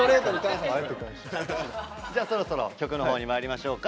じゃあそろそろ曲のほうにまいりましょうか。